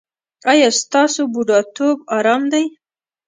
ایا ستاسو بوډاتوب ارام دی؟